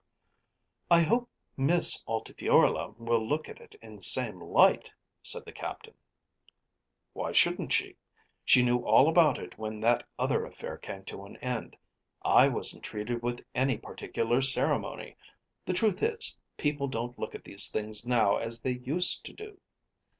"I hope Miss Altifiorla will look at it in the same light," said the Captain. "Why shouldn't she? She knew all about it when that other affair came to an end. I wasn't treated with any particular ceremony. The truth is, people don't look at these things now as they used to do.